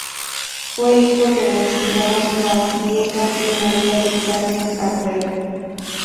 Fue hijo de Wenceslao Noriega y María del Carmen Agüero.